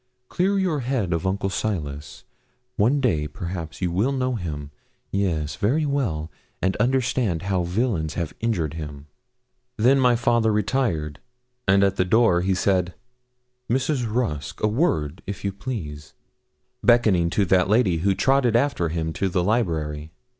Clear your head of Uncle Silas. One day, perhaps, you will know him yes, very well and understand how villains have injured him. Then my father retired, and at the door he said 'Mrs. Rusk, a word, if you please,' beckoning to that lady, who trotted after him to the library.